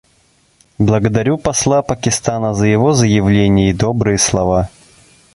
Благодарю посла Пакистана за его заявление и добрые слова.